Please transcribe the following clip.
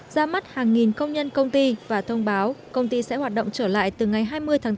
ra mắt hàng nghìn công nhân công ty và thông báo công ty sẽ hoạt động trở lại từ ngày hai mươi tháng bốn